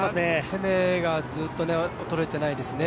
攻めがずっと衰えてないですね。